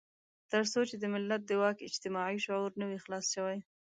تر څو چې د ملت د واک اجتماعي شعور نه وي خلاص شوی.